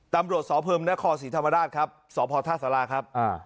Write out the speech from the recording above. ตำรวจสพมนครศรีธรรมราชครับสพท่าสาราครับ